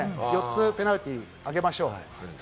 ４つペナルティーあげましょう。